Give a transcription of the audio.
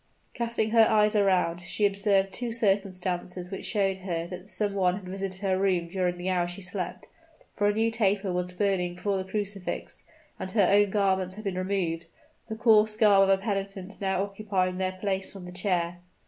Casting her eyes around, she observed two circumstances which showed her that some one had visited her room during the hours she slept; for a new taper was burning before the crucifix, and her own garments had been removed, the coarse garb of a penitent now occupying their place on the chair.